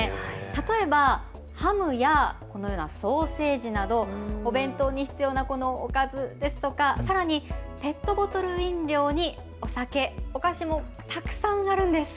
例えばハムやこのようなソーセージなどお弁当に必要なこのおかずですとか、さらにペットボトル飲料にお酒、お菓子もたくさんあるんです。